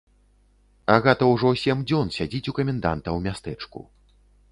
Агата ўжо сем дзён сядзіць у каменданта ў мястэчку.